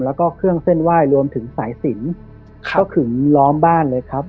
แล้วก็เครื่องเส้นไหว้รวมถึงสายสินก็ขึงล้อมบ้านเลยครับ